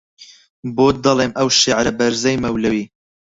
بۆت دەڵێم ئەو شێعرە بەرزەی مەولەوی